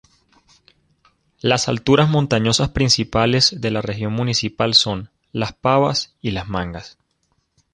Las alturas montañosas principales de la región municipal son: Las Pavas y Las Mangas.